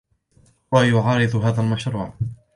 هو يعارض هذا المشروع.